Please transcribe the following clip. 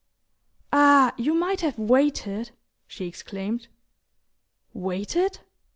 "Ah, you might have waited!" she exclaimed. "Waited?"